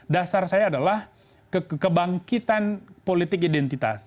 dasar saya adalah kebangkitan politik identitas